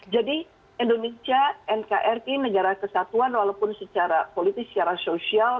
jadi indonesia nkri negara kesatuan walaupun secara politis secara sosial